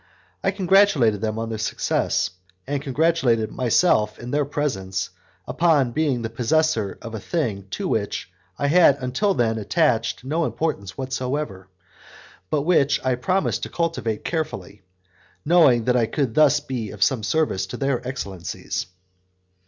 I congratulated them on their success, and congratulated myself in their presence upon being the possessor of a thing to which I had until then attached no importance whatever, but which I promised to cultivate carefully, knowing that I could thus be of some service to their excellencies.